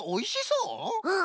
うん。